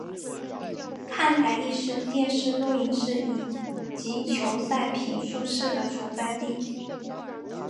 看台亦是电视录影室及球赛评述室的所在地。